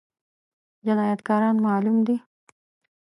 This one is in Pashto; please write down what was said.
جنايتکاران معلوم دي؟